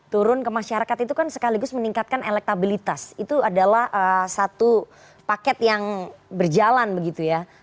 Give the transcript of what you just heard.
turun ke masyarakat itu kan sekaligus meningkatkan elektabilitas itu adalah satu paket yang berjalan begitu ya